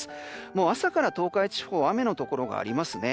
もう朝から東海地方は雨のところがありますね。